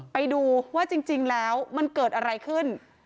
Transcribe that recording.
ไปดูว่าจริงแล้วมันเกิดอะไรขึ้น